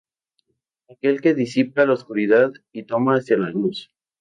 Aquel que disipa la oscuridad y toma hacia la luz.